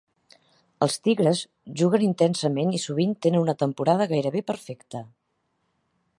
Els Tigres juguen intensament i sovint tenen una temporada gairebé perfecta.